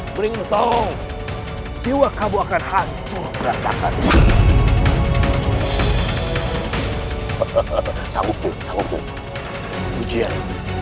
mendingan tahu jiwa kamu akan hantur perantasan